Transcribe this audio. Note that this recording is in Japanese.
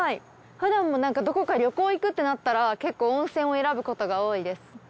ふだんもなんかどこか旅行行くってなったら結構温泉を選ぶことが多いです。